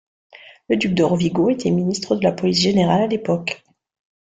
Le duc de Rovigo était ministre de la police générale à l'époque.